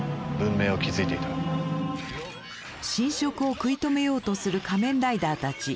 侵食を食い止めようとする仮面ライダーたち。